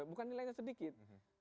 bukan nilainya sedikit